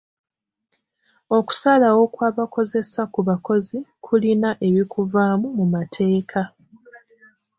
Okusalawo kw'abakozesa ku bakozi kulina ebikuvaamu mu mateeka.